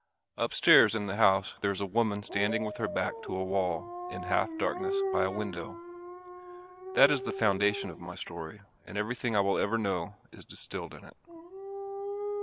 Upstairs in the house there is a woman standing with her back to a wall, in half darkness by a window. That is the foundation of my story and everything I will ever know is distilled in it.